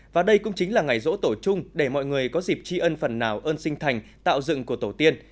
và đây cũng chính là ngày rỗ tổ chung để mọi người có dịp tri ân phần nào ơn sinh thành tạo dựng của tổ tiên